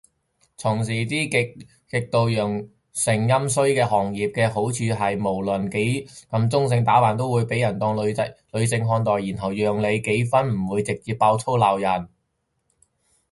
從事啲極度陽盛陰衰嘅行業嘅好處係，無論幾咁中性打扮都會被人當女性看待，然後讓你幾分唔會直接爆粗鬧人